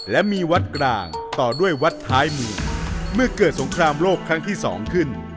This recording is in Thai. และมีวัดกลางต่อด้วยวัดท้ายหมู่เมื่อเกิดสงครามโลกครั้งที่สองขึ้น